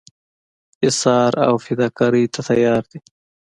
ایثار او فداکارۍ ته تیار دي.